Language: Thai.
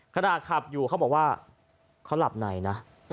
ขณะขับอยู่เขาบอกว่าเขาหลับในนะ